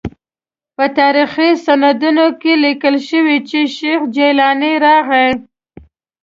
په تاریخي سندونو کې لیکل شوي چې شیخ جیلاني راغی.